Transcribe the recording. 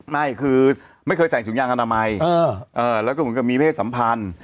ไม่คือไม่เคยใส่ถุงยางอนามัยแล้วก็เหมือนกับมีเพศสัมพันธ์